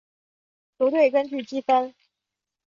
球队根据积分。